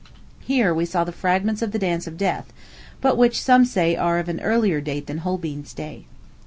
Here we saw the fragments of the Dance of Death, but which some say are of an earlier date than Holbein's day.